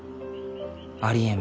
ありえん